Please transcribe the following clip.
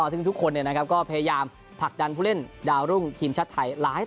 ซึ่งทุกคนก็พยายามผลักดันผู้เล่นดาวรุ่งทีมชาติไทย